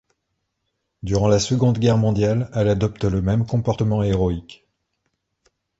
Durant la Seconde Guerre mondiale, elle adopte le même comportement héroïque.